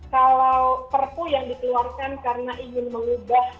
kalau perpu yang dikeluarkan karena ingin mengubah